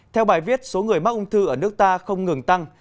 theo bài viết số người mắc ung thư ở nước ta không ngừng tăng